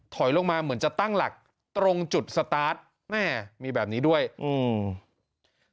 ถอยลงมาเหมือนจะตั้งหลักตรงจุดสตาร์ทแม่มีแบบนี้ด้วยอืม